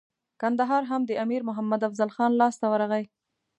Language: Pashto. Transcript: کندهار هم د امیر محمد افضل خان لاسته ورغی.